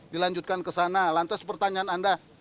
dilanjutkan kesana lantas pertanyaan anda